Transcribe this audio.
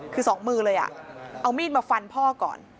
คือสองมือเลยเอามีดมาฟันพ่อก่อน